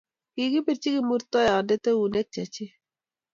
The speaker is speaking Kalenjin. Kigibirji Kimurtoiyot ounek che chik